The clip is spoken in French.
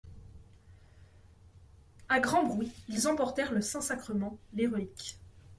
À grand bruit, ils emportèrent le saint sacrement, les reliques.